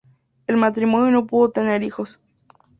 El matrimonio no pudo tener hijos.